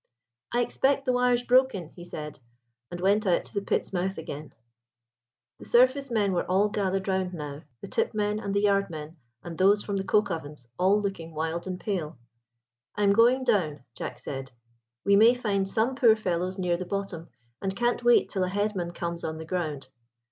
"I expect the wire's broken," he said, and went out to the pit's mouth again. The surface men were all gathered round now, the tip men, and the yard men, and those from the coke ovens, all looking wild and pale. "I am going down," Jack said; "we may find some poor fellows near the bottom, and can't wait till a head man comes on the ground.